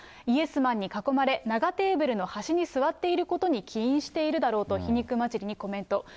イエスマンに囲まれ、長テーブルの端に座っていることに起因しているだろうと皮肉交じりにコメント。